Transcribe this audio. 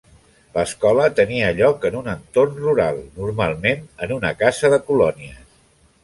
L'escola tenia lloc en un entorn rural, normalment en una casa de colònies.